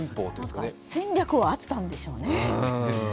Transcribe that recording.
何か戦略はあったんでしょうね。